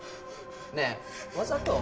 ねえわざと？